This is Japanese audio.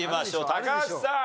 高橋さん。